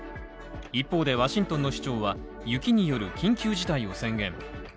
一方でワシントンの市長は、雪による緊急事態を宣言。